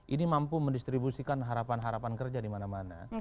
ini mampu mendistribusikan harapan harapan kerja dimana mana